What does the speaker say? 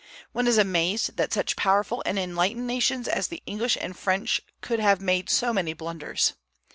One is amazed that such powerful and enlightened nations as the English and French could have made so many blunders.